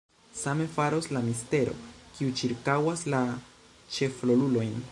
Same faros la mistero, kiu cirkaŭas la ĉefrolulojn.